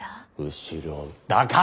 後ろだから！